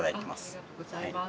ありがとうございます。